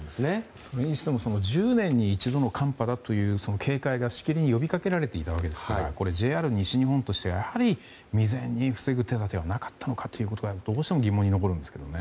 それにしても１０年に一度の寒波だというその警戒がしきりに呼びかけられていたわけですからＪＲ西日本としては未然に防ぐ手立てはなかったのか、どうしても疑問に残るんですけどね。